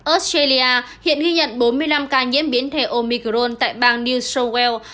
australia hiện ghi nhận bốn mươi năm ca nhiễm biến thể omicron tại bang new south wales